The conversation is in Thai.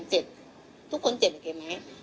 เก๋คิดอย่างนั้นแล้วเก๋ออกมาโบสถ์